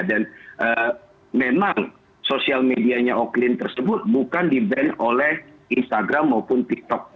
dan memang sosial medianya oklin tersebut bukan di ban oleh instagram maupun tiktok